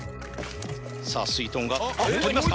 さぁすいとんが取りますか？